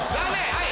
はい。